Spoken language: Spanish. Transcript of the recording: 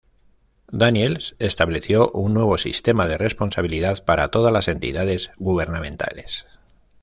Daniels estableció un nuevo sistema de responsabilidad para todas las entidades gubernamentales.